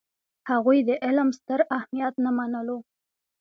هغوی د علم ستر اهمیت نه منلو.